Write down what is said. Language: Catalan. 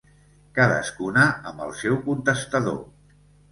Cadascuna amb el seu contestador.